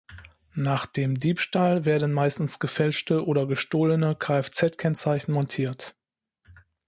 Nach dem Diebstahl werden meistens gefälschte oder gestohlene Kfz-Kennzeichen montiert.